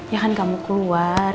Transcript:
ya kan kamu keluar